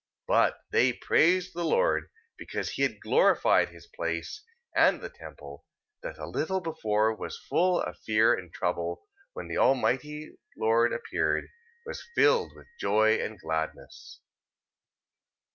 3:30. But they praised the Lord, because he had glorified his place: and the temple, that a little before was full of fear and trouble, when the Almighty Lord appeared, was filled with joy and gladness.